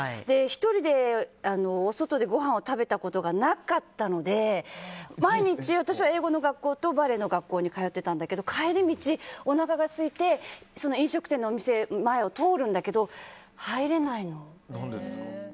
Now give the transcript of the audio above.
１人でお外でごはんを食べたことがなかったので毎日私は英語の学校とバレエの学校に通っていたんだけど帰り道、おなかがすいて飲食店の前を通るんだけど入れないの。